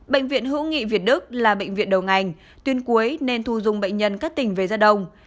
bệnh viện hữu nghị việt đức là bệnh viện đầu ngành tuyên cuối nên thu dung bệnh nhân các tỉnh về ra đồng